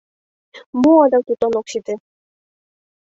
— Мо адак тудлан ок сите?